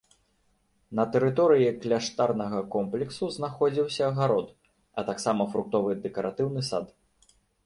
На тэрыторыі кляштарнага комплексу знаходзіўся гарод, а таксама фруктовы дэкаратыўны сад.